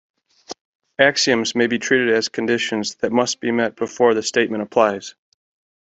Axioms may be treated as conditions that must be met before the statement applies.